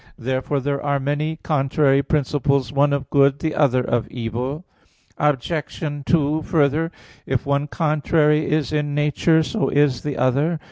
Therefore there are many contrary principles, one of good, the other of evil. Obj. 2: Further, if one contrary is in nature, so is the other.